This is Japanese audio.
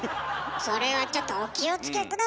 それはちょっとお気を付け下さいよ。